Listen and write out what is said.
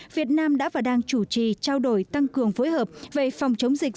việt nam đã và đang chủ trì trao đổi tăng cường phối hợp về phòng chống dịch